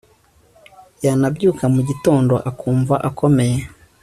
yanabyuka mu gitondo akumva akomeye